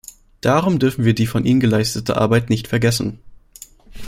Darum dürfen wir die von ihnen geleistete Arbeit nicht vergessen.